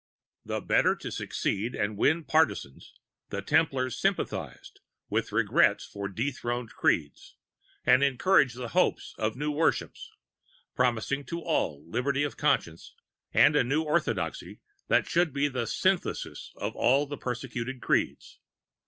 ] "The better to succeed and win partisans, the Templars sympathized with regrets for dethroned creeds and encouraged the hopes of new worships, promising to all liberty of conscience and a new orthodoxy that should be the synthesis of all the persecuted creeds."